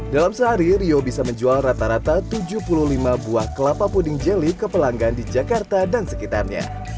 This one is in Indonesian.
dalam sehari rio bisa menjual rata rata tujuh puluh lima buah kelapa puding jeli ke pelanggan di jakarta dan sekitarnya